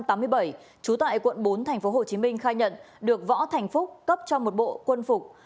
trú tại quận bốn tp hcm khai nhận được võ thành phúc cấp cho một bộ quân phục